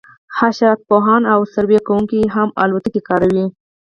حشرات پوهان او سروې کوونکي هم الوتکې کاروي